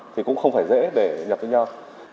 thì cũng không phải dễ để nhập với nhau